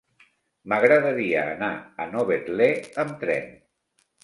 M'agradaria anar a Novetlè amb tren.